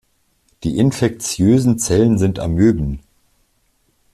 Die infektiösen Zellen sind Amöben.